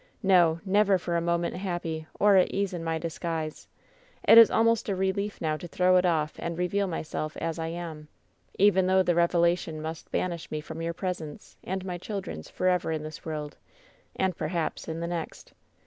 No, never for a moment happy or at ease in my disguise. It is almost a relief now to throw it off and reveal my self as I am, even though the revelation must banish me from your presence and my children's forever in this world, and perhaps in the next.